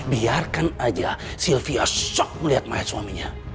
biarkan aja sylvia shock melihat mayat suaminya